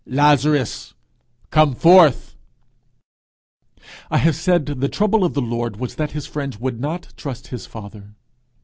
Lazarus, come forth.' I have said the trouble of the Lord was that his friends would not trust his father.